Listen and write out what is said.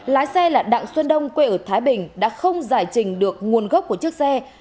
lái xe là đặng xuân đông quê ở thái bình đã không giải trình được nguồn gốc của chiếc xe